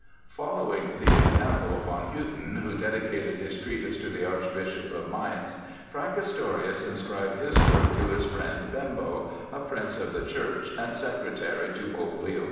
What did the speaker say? Following the example of von Hutten, who dedicated his treatise to the Archbishop of Mayence, Fracastorius inscribed his work to his friend Bembo, a Prince of the Church and Secretary to Pope Leo X.